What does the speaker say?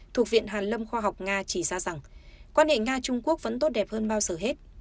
thuộc viện hàn lâm khoa học nga chỉ ra rằng quan hệ nga trung quốc vẫn tốt đẹp hơn bao giờ hết